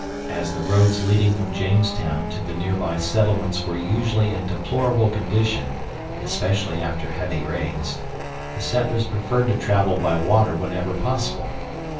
As the roads leading from Jamestown to the nearby settlements were usually in deplorable condition, especially after heavy rains, the settlers preferred to travel by water whenever possible.